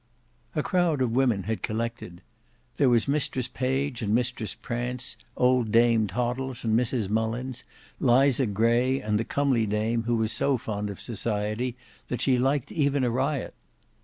A crowd of women had collected. There was Mistress Page and Mistress Prance, old Dame Toddles and Mrs Mullins, Liza Gray and the comely dame who was so fond of society that she liked even a riot.